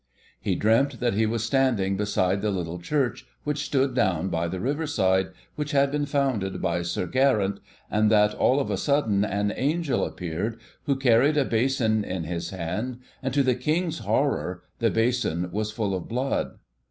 He dreamt that he was standing beside the little church which stood down by the riverside, which had been founded by Sir Geraint, and that all of a sudden an angel appeared, who carried a basin in his hand, and, to the King's horror, the basin was full of blood.